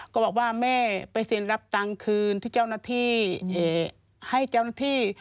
ก็บอกว่าแม่ไปเซ็นรับตังค์คืนที่เจ้าหน้าที่ให้เจ้าหน้าที่